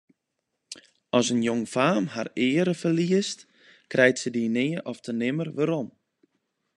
As in jongfaam har eare ferliest, krijt se dy nea ofte nimmer werom.